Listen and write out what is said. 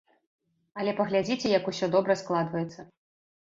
Але паглядзіце, як усё добра складваецца!